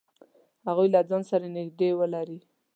هغوی له ځان سره نږدې ولری.